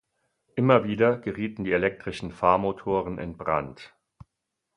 Immer wieder gerieten die elektrischen Fahrmotoren in Brand.